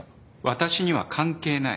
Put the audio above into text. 私には関係ない。